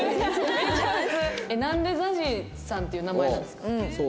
なんでＺＡＺＹさんっていう名前なんですか？